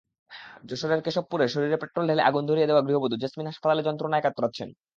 যশোরের কেশবপুরে শরীরে পেট্রল ঢেলে আগুন ধরিয়ে দেওয়া গৃহবধূ জেসমিন হাসপাতালে যন্ত্রণায় কাতরাচ্ছেন।